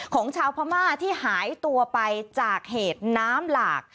ของชาวพม่าที่หายตัวไปจากเหตุน้ำหลาก